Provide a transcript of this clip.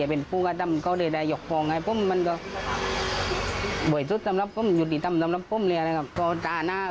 เห็นพ่อเป็นละครตามส่วนแบบนี้เมื่อเดือนภาษา